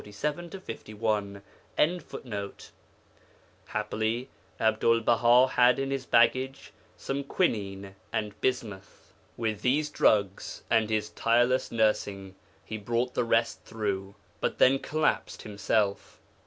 ] Happily Abdul Baha had in his baggage some quinine and bismuth. With these drugs, and his tireless nursing, he brought the rest through, but then collapsed himself.